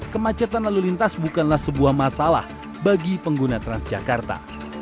kemacetan lalu lintas bukanlah sebuah masalah bagi pengguna transjakarta